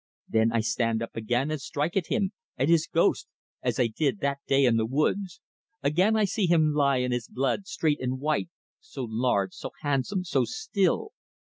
Then I stand up again and strike at him at his ghost! as I did that day in the woods. Again I see him lie in his blood, straight and white so large, so handsome, so still!